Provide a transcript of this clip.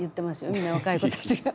みんな若い子たちが。